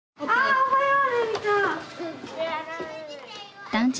おはよう。